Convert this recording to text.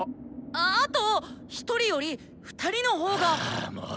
あと１人より２人の方が。はもう！